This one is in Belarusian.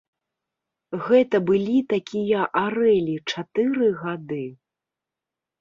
Гэта былі такія арэлі чатыры гады.